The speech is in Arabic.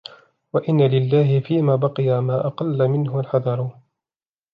وَإِنَّا لِلَّهِ فِيمَا بَقِيَ مَا أَقَلَّ مِنْهُ الْحَذَرُ